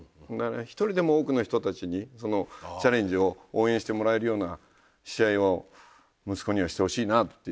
１人でも多くの人たちにそのチャレンジを応援してもらえるような試合を息子にはしてほしいなっていう。